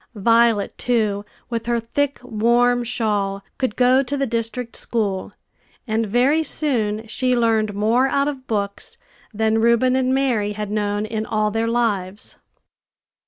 Violet too, with her thick, warm shawl, could go to the district school; and very soon she learned more out of books than Reuben and Mary had known in all their lives.